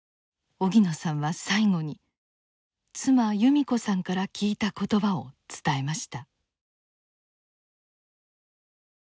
荻野さんは最後に妻由味子さんから聞いた言葉を伝えました。